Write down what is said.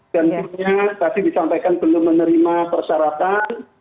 dan misalnya tadi disampaikan belum menerima persyaratan